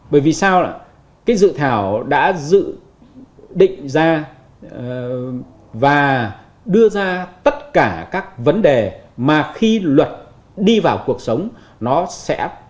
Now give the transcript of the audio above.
bởi vì sao cái dự thảo đã dự định ra và đưa ra tất cả các vấn đề mà khi luật đi vào cuộc sống nó sẽ buộc phải đáp ứng